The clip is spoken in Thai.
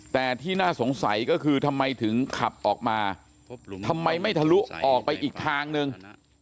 แต่ที่น่าสงสัยก็คือทำไมถึงขับออกมาทำไมไม่ทะลุออกไปอีกทางนึง